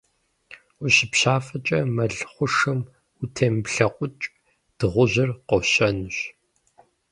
УщыпщафӀэкӀэ мэл хъушэм утемыплъэкъукӀ: Дыгъужьыр къощэнущ.